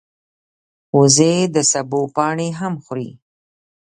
وزې د سبو پاڼې هم خوري